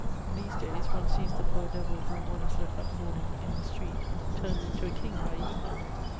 In these days one sees the poor devil whom one has left that morning in the street turned into a king by evening.